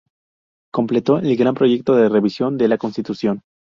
Completó el gran proyecto de revisión de la Constitución.